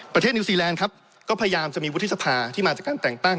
นิวซีแลนด์ครับก็พยายามจะมีวุฒิสภาที่มาจากการแต่งตั้ง